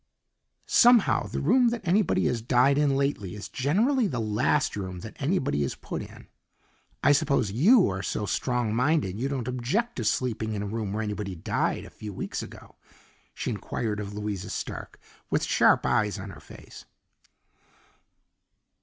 Somehow the room that anybody has died in lately is generally the last room that anybody is put in. I suppose YOU are so strong minded you don't object to sleeping in a room where anybody died a few weeks ago?" she inquired of Louisa Stark with sharp eyes on her face.